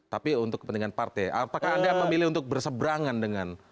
tapi untuk kepentingan partai apakah anda memilih untuk berseberangan dengan